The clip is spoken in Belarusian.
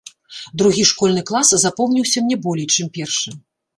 Другі школьны клас запомніўся мне болей, чым першы.